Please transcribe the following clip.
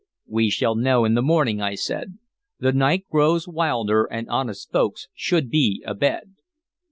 "We shall know in the morning," I said. "The night grows wilder, and honest folks should be abed.